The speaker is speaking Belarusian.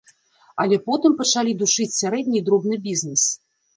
Але потым пачалі душыць сярэдні і дробны бізнес.